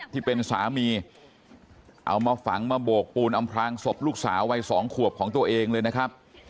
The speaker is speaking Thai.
ที่เป็นสามีเอามาฝังมาโบกปูนอำพลางศพลูกสาววัยสองขวบของตัวเองเลยนะครับ